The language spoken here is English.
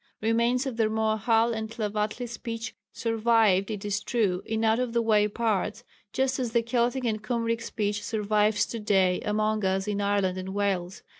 Remains of the Rmoahal and Tlavatli speech survived it is true in out of the way parts, just as the Keltic and Cymric speech survives to day among us in Ireland and Wales.